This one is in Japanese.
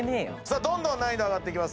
どんどん難易度上がってきます。